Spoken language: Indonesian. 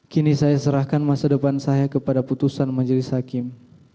kini saya serahkan masa depan saya kepada putusan majelis hakim